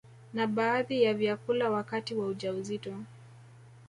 na baadhi ya vyakula wakati wa ujauzito